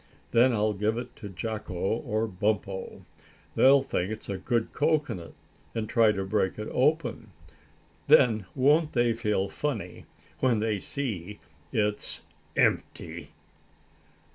Then I'll give it to Jacko or Bumpo. They'll think it's a good cocoanut, and try to break it open. Then won't they feel funny when they see it's empty!"